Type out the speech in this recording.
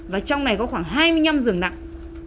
và trong này có khoảng hai mươi năm rừng nặng